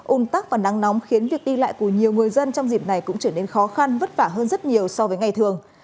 ún tắc và nắng nóng khiến việc đi lại của nhiều người dân trong dịp này cũng trở nên khó khăn vất vả hơn rất nhiều so với ngày thường